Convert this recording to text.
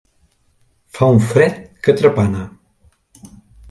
Fa un fred que trepana.